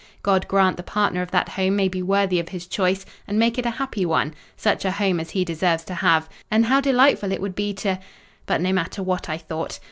God grant the partner of that home may be worthy of his choice, and make it a happy one—such a home as he deserves to have! And how delightful it would be to—" But no matter what I thought.